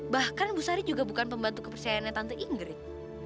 bahkan bu sari juga bukan pembantu kepercayaannya tante ingrid